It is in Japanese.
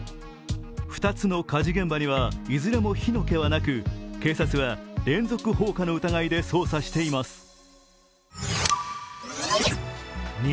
２つの火事現場にはいずれも火の気はなく警察は、連続放火の疑いで捜査しています。